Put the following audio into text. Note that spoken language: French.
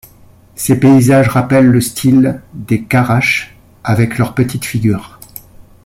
Ses paysages rappellent le style des Carrache avec leurs petites figures.